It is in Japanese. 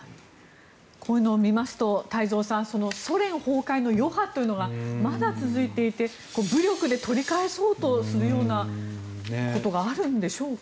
こういうのを見ますと太蔵さん、ソ連崩壊の余波というのがまだ続いていて武力で取り返そうとするようなことがあるんでしょうか。